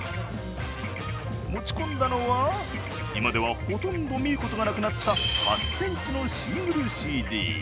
持ち込んだのは、今ではほとんど見ることがなくなった、８ｃｍのＣＤ。